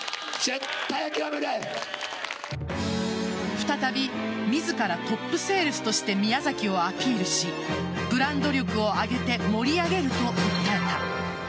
再び自らトップセールスとして宮崎をアピールしブランド力を上げて盛り上げると訴えた。